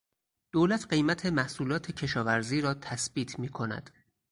دولت قیمت محصولات کشاورزی را تثبیت میکند.